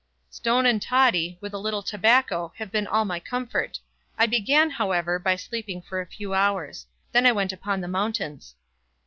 "Stone and Toddy, with a little tobacco, have been all my comfort. I began, however, by sleeping for a few hours. Then I went upon the mountains."